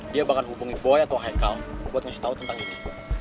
dia bahkan hubungi boy atau haikal buat ngasih tau tentang ini